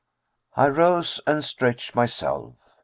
'" I rose and stretched myself.